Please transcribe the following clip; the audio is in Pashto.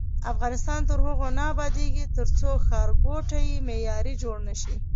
افغانستان تر هغو نه ابادیږي، ترڅو ښارګوټي معیاري جوړ نشي.